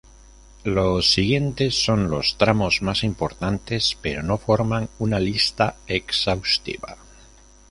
Los siguientes son los tramos más importantes, pero no forman una lista exhaustiva.